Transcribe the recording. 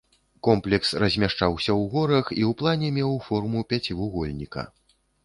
Комплекс размяшчаўся ў горах і ў плане меў форму пяцівугольніка.